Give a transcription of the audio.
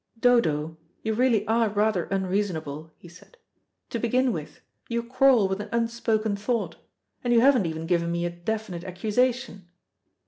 "Dodo, you really are rather unreasonable," he said. "To begin with, you quarrel with an unspoken thought, and you haven't even given me a definite accusation."